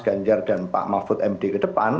ganjar dan pak mahfud md kedepan